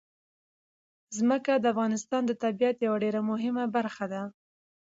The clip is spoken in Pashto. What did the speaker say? ځمکه د افغانستان د طبیعت یوه ډېره مهمه برخه ده.